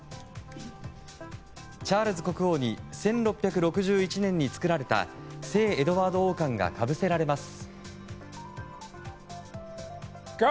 チャールズ国王に１６６１年に作られた聖エドワード王冠がかぶせられます。